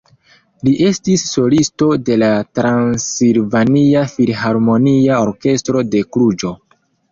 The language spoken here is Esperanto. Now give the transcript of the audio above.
Li estis solisto de la Transilvania Filharmonia Orkestro de Kluĵo.